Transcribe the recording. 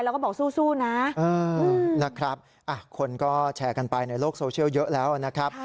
แล้วก็บอกสู้นะนะครับคนก็แชร์กันไปในโลกโซเชียลเยอะแล้วนะครับ